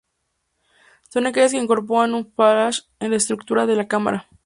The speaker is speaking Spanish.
Son aquellas que incorporan un flash en la estructura de la cámara.